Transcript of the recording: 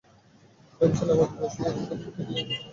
ভেবেছিলাম আপনি বৈশ্বিক উষ্ণতা হুমকি নিয়ে কথা বলছেন, বরফ যুগ নিয়ে নয়!